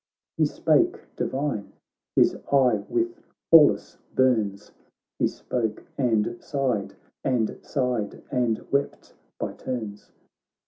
He spake divine, his eye with Pallas burns. He spoke and sighed, and sighed and wept by turns.